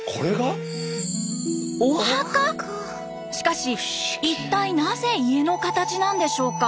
しかし一体なぜ家の形なんでしょうか？